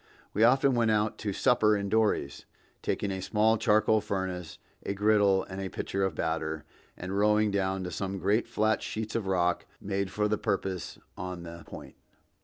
We often went out to supper in dories, taking a small charcoal furnace, a griddle and a pitcher of batter, and rowing down to some great flat sheets of rock made for the purpose on the Point.